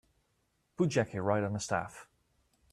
Put Jackie right on the staff.